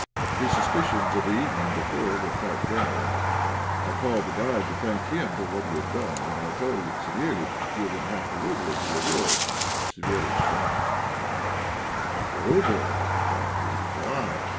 His suspicions of the evening before were quite gone. I called the guide to thank him for what he had done for us, and I told Savéliitch to give him half a rouble as a reward. Savéliitch frowned. "Half a rouble!" cried he. "Why?